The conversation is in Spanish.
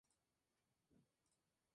Juega regularmente con ellos.